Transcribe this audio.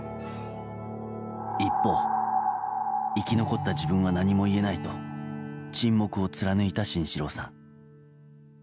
一方、生き残った自分は何も言えないと沈黙を貫いた慎四郎さん。